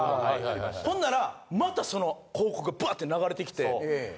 ほんなら、またその広告がぶわって流れてきて。